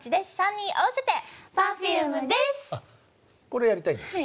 これやりたいです。